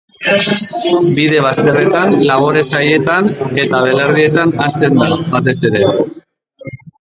Bide bazterretan, labore-sailetan eta belardietan hazten da, batez ere.